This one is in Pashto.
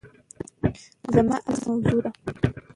زما اصلي موضوع ده